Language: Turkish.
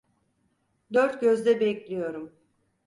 Dört gözle bekliyorum.